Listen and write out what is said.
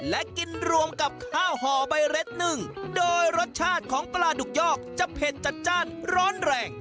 และกินรวมกับข้าวห่อใบเร็ดนึ่งโดยรสชาติของปลาดุกยอกจะเผ็ดจัดจ้านร้อนแรง